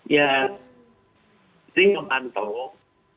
ya ini memantau